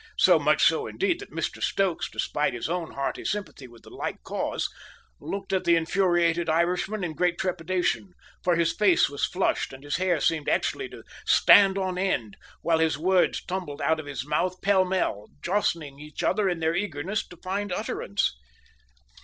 So much so, indeed, that Mr Stokes, despite his own hearty sympathy with the like cause, looked at the infuriated Irishman in great trepidation, for his face was flushed, and his hair seemed actually to stand on end, while his words tumbled out of his mouth pell mell, jostling each other in their eagerness to find utterance.